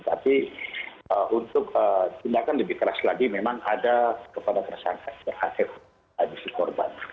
tapi untuk tindakan lebih keras lagi memang ada kepada tersangka terkait si korban